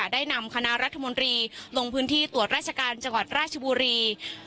ได้นำคณะรัฐมนตรีลงพื้นที่ตรวจราชการจังหวัดราชบุรี